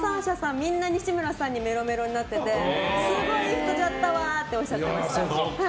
みんな西村さんにメロメロになっててすごい人じゃったわっておっしゃってました。